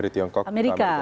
dari tiongkok ke amerika